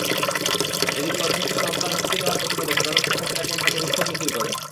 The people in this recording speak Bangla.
এদিকে অধ্যক্ষকে হত্যার হুমকি দেওয়ার প্রতিবাদে সাধারণ শিক্ষার্থীরা ক্যাম্পাসে বিক্ষোভ মিছিল করেন।